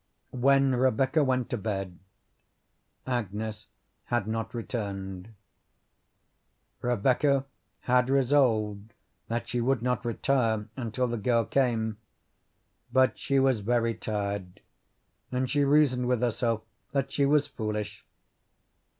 When Rebecca went to bed Agnes had not returned. Rebecca had resolved that she would not retire until the girl came, but she was very tired, and she reasoned with herself that she was foolish.